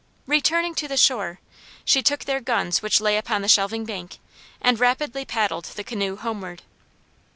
Returning to the shore, she took their guns which lay upon the shelving bank, and rapidly paddled the canoe homeward.